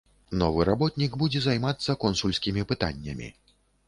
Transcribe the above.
Новы работнік будзе займацца консульскімі пытаннямі.